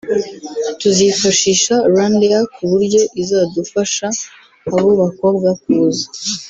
tuzifashisha Rwandair ku buryo izadufasha abo bakobwa kuza